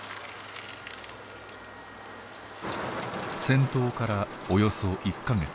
戦闘からおよそ１か月。